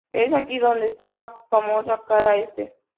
Es aquí donde está la famosa cara este.